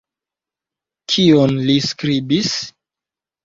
Kion li skribis?